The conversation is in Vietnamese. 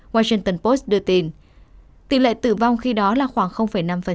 washington post đưa tin tỷ lệ tử vong khi đó là khoảng năm